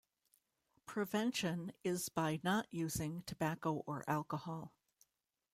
Prevention is by not using tobacco or alcohol.